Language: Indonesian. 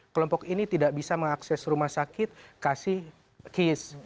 kelompok ini tidak bisa mengakses rumah sakit kasih case